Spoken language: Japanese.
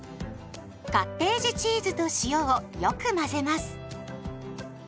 カッテージチーズと塩をよく混ぜます。